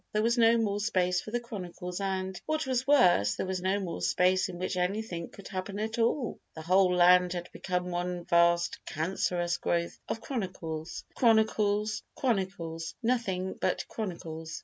There was no more space for the chronicles and, what was worse, there was no more space in which anything could happen at all, the whole land had become one vast cancerous growth of chronicles, chronicles, chronicles, nothing but chronicles.